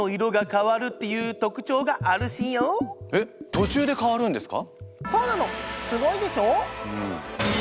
えっ途中で変わるんですか？